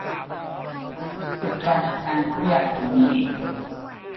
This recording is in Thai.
หยุดการทำงานทุกอย่าง เดี๋ยวนี้